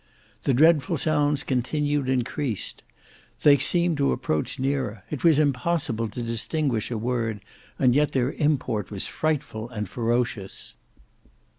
The dreadful sounds continued increased. They seemed to approach nearer. It was impossible to distinguish a word, and yet their import was frightful and ferocious.